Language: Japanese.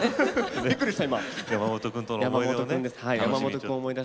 びっくりした。